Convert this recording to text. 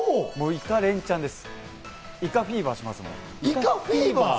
イカ連ちゃんです。